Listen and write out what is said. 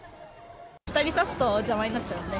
２人差すと邪魔になっちゃうので。